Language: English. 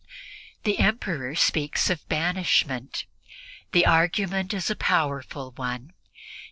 The Emperor speaks of banishment. The argument is a powerful one.